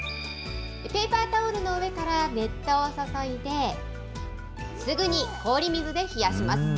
ペーパータオルの上から熱湯を注いで、すぐに氷水で冷やします。